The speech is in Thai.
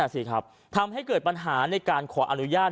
สิครับทำให้เกิดปัญหาในการขออนุญาต